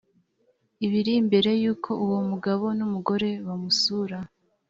ibiri mbere y uko uwo mugabo n umugore bamusura